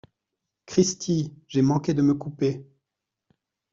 Cristi ! j’ai manqué de me couper !